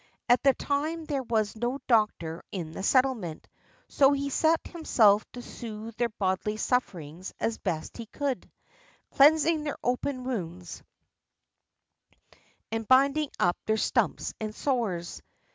At that time there was no doctor in the settlement, so he set himself to soothe their bodily sufferings as best he could, cleansing their open wounds and binding up their stumps and sores.